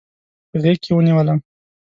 په غېږ کې ونیولم.